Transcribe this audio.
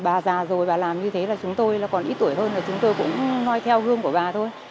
bà già rồi bà làm như thế là chúng tôi là còn ít tuổi hơn rồi chúng tôi cũng nói theo gương của bà thôi